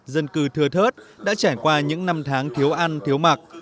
dân cư thừa thớt đã trải qua những năm tháng thiếu ăn thiếu mặc